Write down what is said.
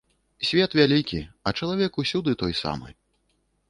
Свет вялікі, а чалавек усюды той самы.